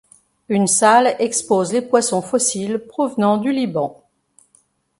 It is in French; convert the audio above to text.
Une salle expose les poissons fossiles provenant du Liban.